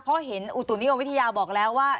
เพราะเห็นอุตุนิยมวิทยาบอกแล้วว่า